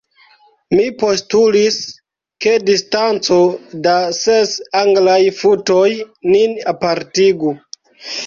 Mi postulis, ke distanco da ses Anglaj futoj nin apartigu.